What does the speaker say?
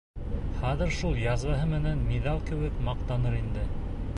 Хәҙер шул язваһы менән миҙал кеүек маҡтаныр инде.